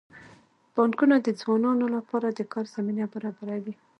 بانکونه د ځوانانو لپاره د کار زمینه برابروي.